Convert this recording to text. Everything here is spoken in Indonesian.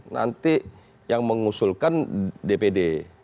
nanti yang mengusulkan dpd